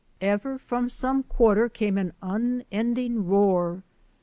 Ever from some quarter came an unending roar.